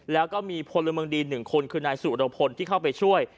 แล้วก็มีโพลมังดีนหนึ่งคนคือนายสุรพนธ์ที่เข้าไปช่วย